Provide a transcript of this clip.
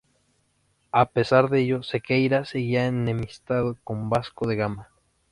A pesar de ello, Sequeira seguía enemistado con Vasco de Gama.